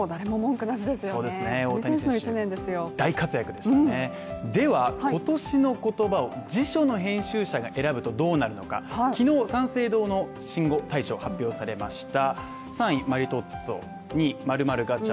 では、今年の言葉を辞書の編集者が選ぶとどうなるのか昨日、三省堂の新語大賞発表されました。